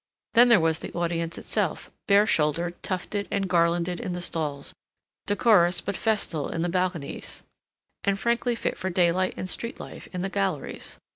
Then there was the audience itself, bare shouldered, tufted and garlanded in the stalls, decorous but festal in the balconies, and frankly fit for daylight and street life in the galleries.